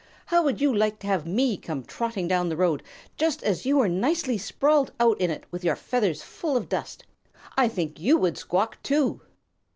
How would you like to have me come trotting down the road, just as you were nicely sprawled out in it with your feathers full of dust? I think you would squawk too!"